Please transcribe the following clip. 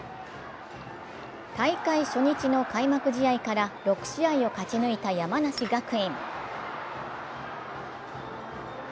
大会初日の開幕試合から６試合を勝ち抜いた山梨学院。